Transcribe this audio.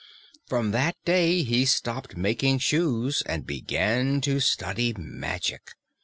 From that day, he stopped making shoes and began to study magic.